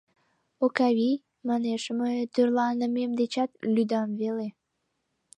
— Окавий, — манеш, мый тӧрланымем дечат лӱдам веле...